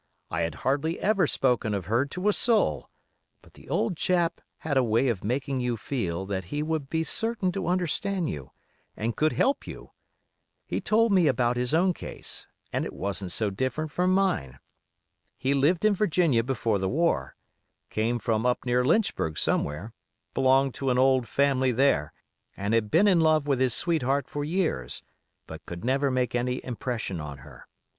I had hardly ever spoken of her to a soul; but the old chap had a way of making you feel that he would be certain to understand you, and could help you. He told me about his own case, and it wasn't so different from mine. He lived in Virginia before the war; came from up near Lynchburg somewhere; belonged to an old family there, and had been in love with his sweetheart for years, but could never make any impression on her.